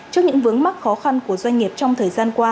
trước những vướng mắc khó khăn của doanh nghiệp trong thời gian qua